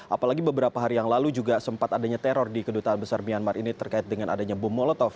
apalagi beberapa hari yang lalu juga sempat adanya teror di kedutaan besar myanmar ini terkait dengan adanya bom molotov